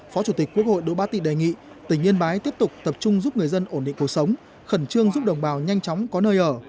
phó chủ tịch quốc hội đỗ bá tị đề nghị tỉnh yên bái tiếp tục tập trung giúp người dân ổn định cuộc sống khẩn trương giúp đồng bào nhanh chóng có nơi ở